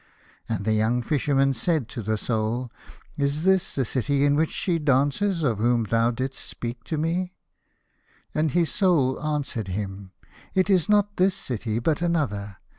And the young Fisherman said to his Soul, " Is this the city in which she dances of whom thou did'st speak to me ?" And his Soul answered him, " It is not this city, but another.